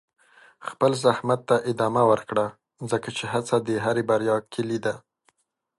خپل زحمت ته ادامه ورکړه، ځکه چې هڅه د هرې بریا کلي ده.